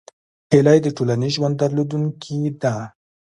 هیلۍ د ټولنیز ژوند درلودونکې ده